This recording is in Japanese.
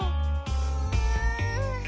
うん。